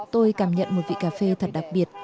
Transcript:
tôi cảm nhận một vị cà phê thật đặc biệt